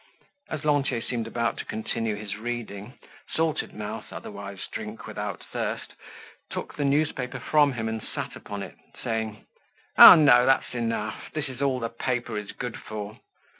As Lantier seemed about to continue his reading, Salted Mouth, otherwise Drink without Thirst, took the newspaper from him and sat upon it, saying: "Ah! no, that's enough! This is all the paper is good for."